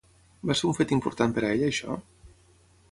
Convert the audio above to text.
Va ser un fet important per a ella això?